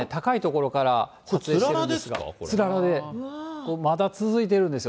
これ、つららで、まだ続いてるんですよ。